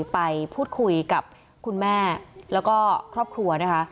ไปพูดคุยกับคุณแม่แล้วก็ครอบครัวนะคะ